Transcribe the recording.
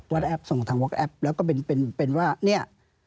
ว๊อตแอปใช่ครับแล้วก็เป็นว่านี่